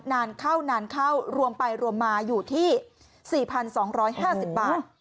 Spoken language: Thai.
นานเข้านานเข้ารวมไปรวมมาอยู่ที่๔๒๕๐บาท